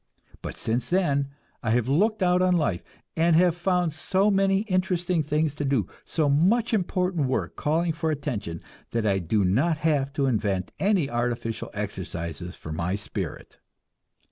But since then I have looked out on life, and have found so many interesting things to do, so much important work calling for attention, that I do not have to invent any artificial exercises for my spirit.